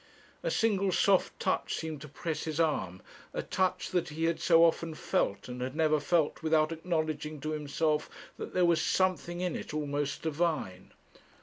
A single soft touch seemed to press his arm, a touch that he had so often felt, and had never felt without acknowledging to himself that there was something in it almost divine.